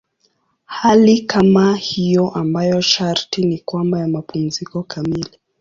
Hali kama hiyo ambayo sharti ni kwamba ya mapumziko kamili.